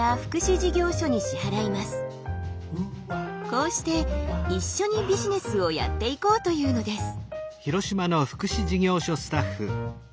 こうして一緒にビジネスをやっていこうというのです。